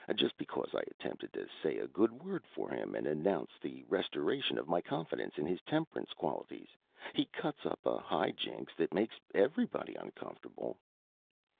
Just because I attempted to say a good word for him, and announce the restoration of my confidence in his temperance qualities, he cuts up a high jinks that makes everybody uncomfortable.